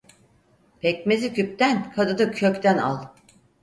Pekmezi küpten, kadını kökten al.